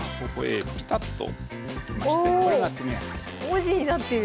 文字になってる！